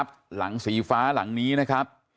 ขอให้เค้าเลิกทำนะครับ